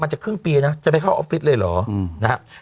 มันจะครึ่งปีนะจะไปเข้าออฟฟิศเลยเหรออืมนะฮะ